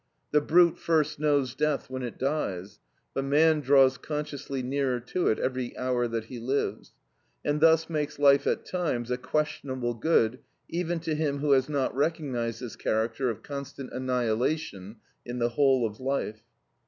The brute first knows death when it dies, but man draws consciously nearer to it every hour that he lives; and this makes life at times a questionable good even to him who has not recognised this character of constant annihilation in the whole of life.